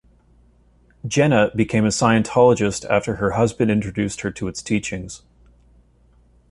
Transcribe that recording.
Jenna became a Scientologist after her husband introduced her to its teachings.